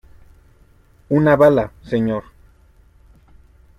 una bala, señor.